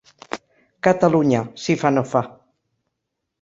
Catalunya, si fa no fa.